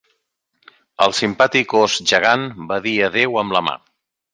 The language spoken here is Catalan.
El simpàtic ós gegant va dir adéu amb la mà.